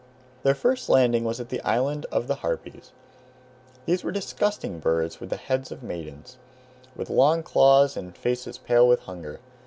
Their first landing was at the island of the Harpies. These were disgusting birds with the heads of maidens, with long claws and faces pale with hunger.